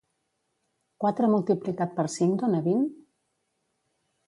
Quatre multiplicat per cinc dona vint?